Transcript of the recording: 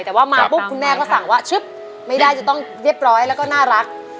แต่ว่ามาปุ๊บคุณแม่ก็สั่งว่าชึบไม่ได้จะต้องเรียบร้อยแล้วก็น่ารัก